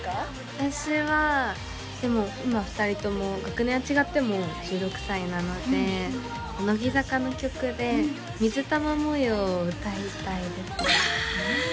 私はでも今２人とも学年は違っても１６歳なので乃木坂の曲で「水玉模様」を歌いたいですああ